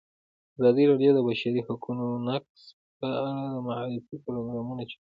ازادي راډیو د د بشري حقونو نقض په اړه د معارفې پروګرامونه چلولي.